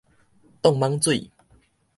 擋蠓水